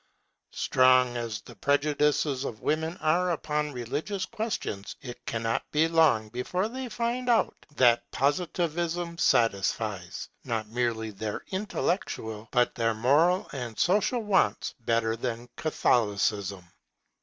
Strong as the prejudices of women are upon religious questions, it cannot be long before they find out that Positivism satisfies, not merely their intellectual, but their moral and social wants better than Catholicism.